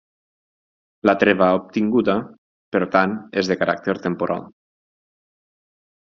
La treva obtinguda, per tant, és de caràcter temporal.